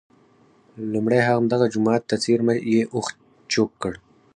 لومړی همدغه جوما ته څېرمه یې اوښ چوک کړ.